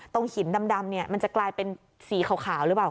หินดำเนี่ยมันจะกลายเป็นสีขาวหรือเปล่า